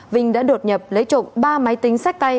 vinh đã đột nhập lấy trộm ba máy tính sách tay